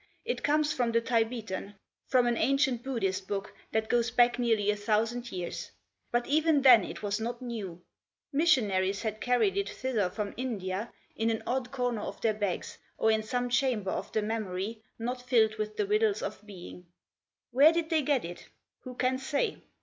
It comes from the Tibetan, from an ancient Buddhist book that goes back nearly a thousand years. But even then it was not new. Missionaries had carried it thither from India in an odd comer of their bags, or in some chamber of the memory not THE HISTORY OF MYSTERY 21 filled with the riddles of being. Where did they get it? Who can say?